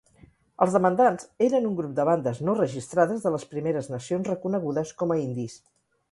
Els demandants eren un grup de bandes no registrades de les Primeres Nacions reconegudes com a indis.